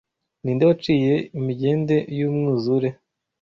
Ni nde waciye imigende y’umwuzure